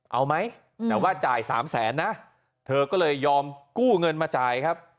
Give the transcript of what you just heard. เอาไหมแต่ว่าจ่ายสามแสนนะเธอก็เลยยอมกู้เงินมาจ่ายครับ